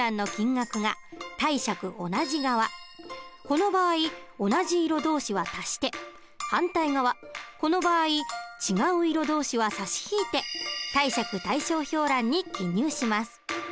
この場合同じ色同士は足して反対側この場合違う色同士は差し引いて貸借対照表欄に記入します。